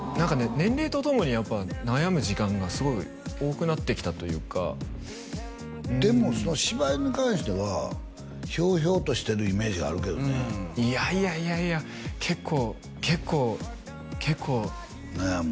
年齢とともに悩む時間がすごい多くなってきたというかでも芝居に関してはひょうひょうとしてるイメージがあるけどねいやいや結構結構結構悩む？